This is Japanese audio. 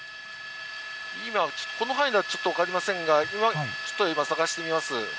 今、この範囲ではちょっと分かりませんが、ちょっと今、探してみます。